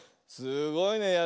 すごいね。